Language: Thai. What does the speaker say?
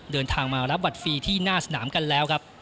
เดินทางมารับบัตรฟรีที่หน้าสนามกันแล้วครับ